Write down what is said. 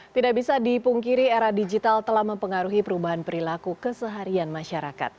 tidak bisa dipungkiri era digital telah mempengaruhi perubahan perilaku keseharian masyarakat